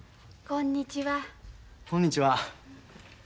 こんにちは。